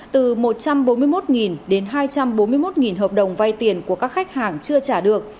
từ một trăm bốn mươi một đến hai trăm bốn mươi một hợp đồng vay tiền của các khách hàng chưa trả được